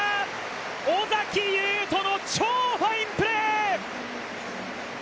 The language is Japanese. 尾崎悠斗の超ファインプレー！